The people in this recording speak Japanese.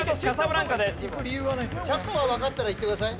１００パーわかったらいってください。